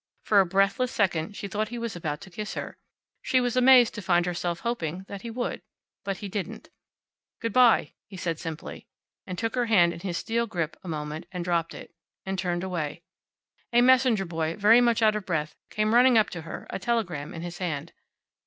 For a breathless second she thought he was about to kiss her. She was amazed to find herself hoping that he would. But he didn't. "Good by," he said, simply. And took her hand in his steel grip a moment, and dropped it. And turned away. A messenger boy, very much out of breath, came running up to her, a telegram in his hand.